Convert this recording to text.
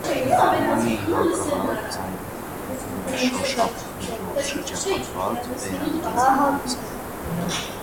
Մարմնի հակառակ ծայրում գտնվում է շոշափուկներով շրջապատված բերանային անցքը։